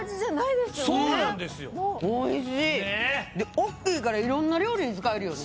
でおっきいからいろんな料理に使えるよね。